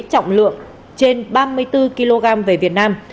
trọng lượng trên ba mươi bốn kg về việt nam